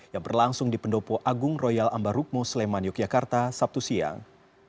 yang berlangsung di pendopo agung royal ambarukmo sleman yogyakarta sabtu siang